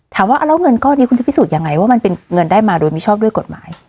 ถามว่าแล้วเงินก้อนนี้คุณจะพิสูจน์ยังไงว่ามันเป็นเงินได้มาโดยมิชอบด้วยกฎหมาย